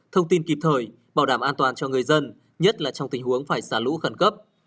thông tin kịp thời bảo đảm an toàn cho người dân nhất là trong tình huống phải xả lũ khẩn cấp